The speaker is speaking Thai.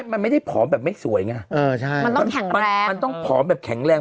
มันไม่ได้ผอมแบบไม่สวยไงมันต้องผอมแบบแข็งแรง